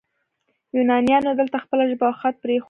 یونانیانو دلته خپله ژبه او خط پریښود